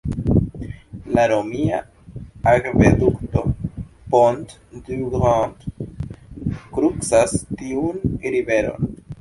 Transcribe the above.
La romia akvedukto "Pont du Gard" krucas tiun riveron.